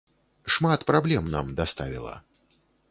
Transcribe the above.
Шмат праблем нам даставіла.